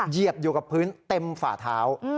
เหยียบอยู่กับพื้นเต็มฝ่าเท้า